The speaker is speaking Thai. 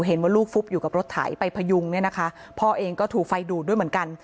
เห็นว่าลูกฟุบอยู่กับรถไถไปพยุงเนี่ยนะคะพ่อเองก็ถูกไฟดูดด้วยเหมือนกัน